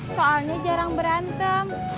soalnya jarang berantem